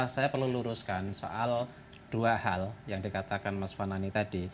saya perlu luruskan soal dua hal yang dikatakan mas fanani tadi